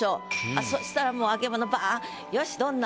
そしたらもう揚げ物バン！